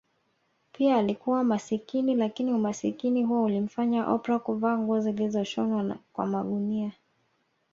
Pia alikuwa masikini lakini Umasikini huo ulimfanya Oprah kuvaa nguo zilizoshonwa kwa magunia